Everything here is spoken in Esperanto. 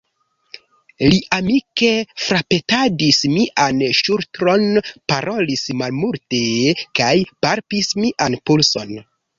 Li amike frapetadis mian ŝultron, parolis malmulte kaj palpis mian pulson.